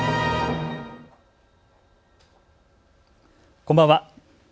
こんばんは。